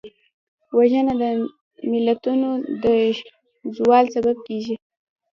وژنه د ملتونو د زوال سبب کېږي